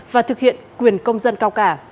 và thực hiện quyền công dân cao cả